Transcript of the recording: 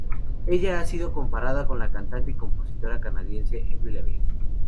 Ella ha sido comparada con la cantante y compositora canadiense Avril Lavigne.